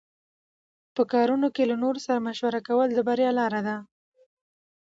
په کارونو کې له نورو سره مشوره کول د بریا لاره ده.